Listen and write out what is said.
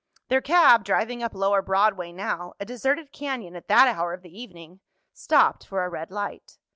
Their cab, driving up lower Broadway now—a deserted canyon at that hour of the evening—stopped for a red light.